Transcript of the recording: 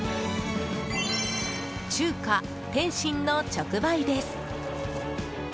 中華・点心の直売です。